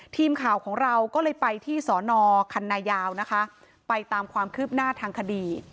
ทีมข่าวของเราก็เลยไปที่สอนอคันนายาวนะคะไปตามความคืบหน้าทางคดี